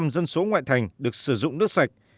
một trăm linh dân số ngoại thành được sử dụng nước sạch